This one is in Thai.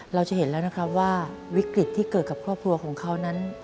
เราจะเห็นแล้วว่าวิกฤตที่เกิดกับครอบครัว